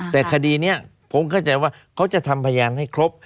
แต่คดีนี้ผมเข้าใจว่าเขาจะทำพยานให้ครบ